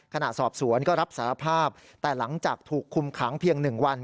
ขณะสอบสวนก็รับสารภาพแต่หลังจากถูกคุมขังเพียง๑วัน